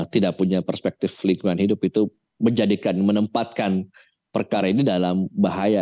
tidak punya perspektif lingkungan hidup itu menjadikan menempatkan perkara ini dalam bahaya